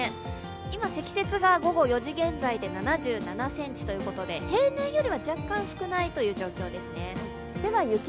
今、積雪が午後４時現在で７７ｃｍということで、平年よりは若干少ないという状況ですね。